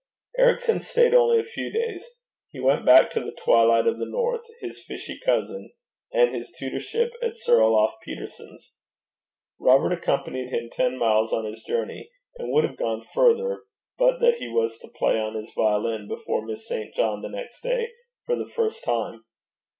Ericson stayed only a few days. He went back to the twilight of the north, his fishy cousin, and his tutorship at Sir Olaf Petersen's. Robert accompanied him ten miles on his journey, and would have gone further, but that he was to play on his violin before Miss St. John the next day for the first time.